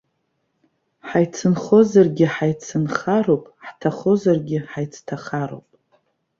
Ҳаицынхозаргьы ҳаицынхароуп, ҳҭахозаргьы ҳаицҭахароуп.